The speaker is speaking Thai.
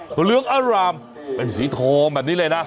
เหลืองอร่ามเป็นสีทองแบบนี้เลยนะ